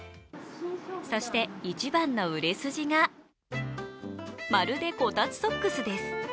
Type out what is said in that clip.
そして一番の売れ筋がまるでこたつソックスです。